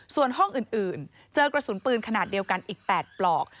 ส่วนห้องอื่นเจอกระสุนปืนขนาดเดียวกันอีก๘ปลอก